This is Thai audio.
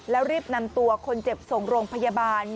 แล้วรีบนำตัวคนเจ็บส่งโรงพยาบาล